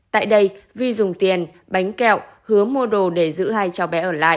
tại đây vi dùng tiền bánh kẹo hứa mua đồ để giữ hai cháu bé ở lại